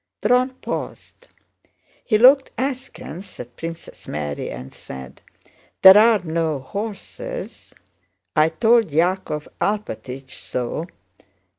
Dron paused. He looked askance at Princess Mary and said: "There are no horses; I told Yákov Alpátych so."